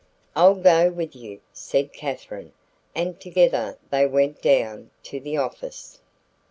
"I'll go with you," said Katherine, and together they went down to the office.